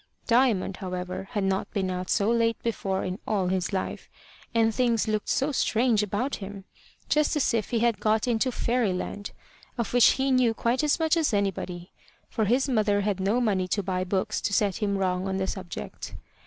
Diamond, however, had not been out so late before in all his life, and things looked so strange about him! just as if he had got into Fairyland, of which he knew quite as much as anybody; for his mother had no money to buy books to set him wrong on the subject.